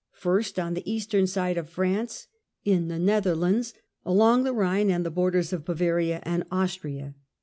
First, on the eastern side of France, in the Netherlands, character ot along the Rhine and the borders of Bavaria »« ^ar. and Austria.